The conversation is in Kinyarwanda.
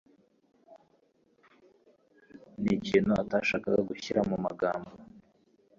Ni ikintu atashakaga gushyira mu magambo.